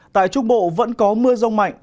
tại trung bộ vẫn có mưa rong mạnh